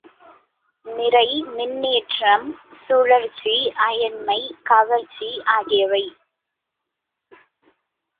நிறை, மின்னேற்றம், சுழற்சி, அயன்மை, கவர்ச்சி ஆகியவை.